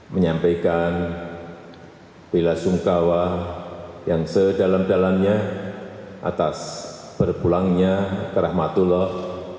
menyampaikan bila sungkawa yang sedalam dalannya atas berbulangnya ke rahmatullah